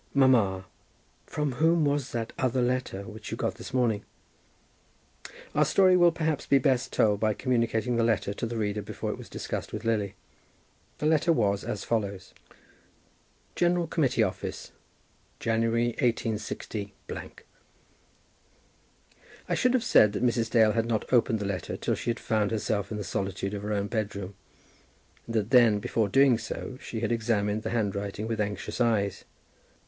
"Mamma, from whom was that other letter which you got this morning?" Our story will perhaps be best told by communicating the letter to the reader before it was discussed with Lily. The letter was as follows: General Committee Office, January, 186 . I should have said that Mrs. Dale had not opened the letter till she had found herself in the solitude of her own bedroom; and that then, before doing so, she had examined the handwriting with anxious eyes.